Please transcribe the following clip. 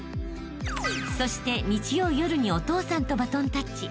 ［そして日曜夜にお父さんとバトンタッチ］